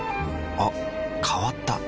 あ変わった。